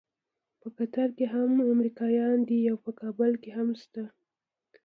په قطر کې هم امریکایان دي او په کابل کې هم شته.